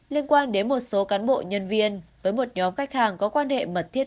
liên quan đến một số cán bộ nhân viên với một nhóm khách hàng có quan hệ mật thiết